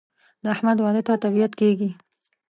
د احمد واده ته طبیعت کېږي.